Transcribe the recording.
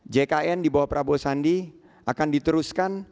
jkn di bawah prabowo sandi akan diteruskan